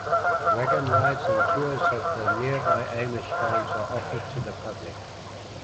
Wagon rides and tours of the nearby Amish farms are offered to the public.